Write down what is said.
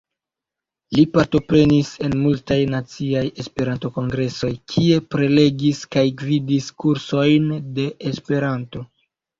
Li partoprenis en multaj naciaj Esperanto-kongresoj kie prelegis kaj gvidis kursojn de Esperanto.